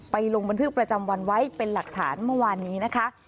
ลงบันทึกประจำวันไว้เป็นหลักฐานเมื่อวานนี้นะคะ